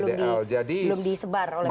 tindak lanjut belum disebar